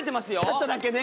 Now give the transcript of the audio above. ちょっとだけね。